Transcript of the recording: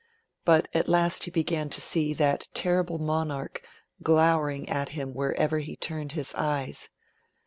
But, at last he began to see that terrible monarch glowering at him wherever he turned his eyes.